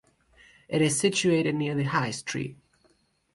It is situated near the High Street.